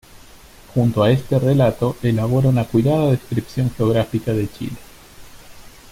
Junto a este relato elabora una cuidada descripción geográfica de Chile.